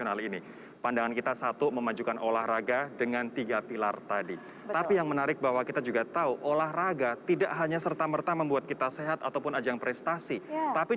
tapi terhenti dengan protokol kesehatan yang ketat